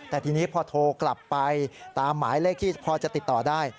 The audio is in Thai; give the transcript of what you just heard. แต่ทีนี้พอโทรกลับไปตามหมายเลขที่พอจะติดต่อได้